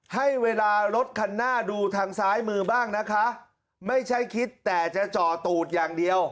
ให้เวลารถคันหน้าดูทางซ้ายมือบ้างนะคะไม่ใช่คิดแต่จะจ่อตูดอย่างเดียว